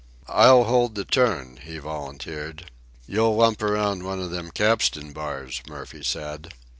"I'll hold the turn," he volunteered. "You'll lump around one of them capstan bars," Murphy said.